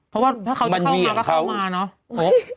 เพราะว่าถ้าเขาจะเข้ามาก็เข้ามาเนอะ